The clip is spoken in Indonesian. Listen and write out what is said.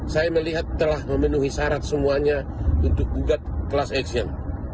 saya melihat telah memenuhi syarat semuanya untuk gugat kelas action